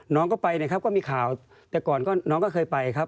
น้องก็ไปนะครับก็มีข่าวแต่ก่อนก็น้องก็เคยไปครับ